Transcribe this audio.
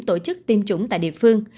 tổ chức tiêm chủng tại địa phương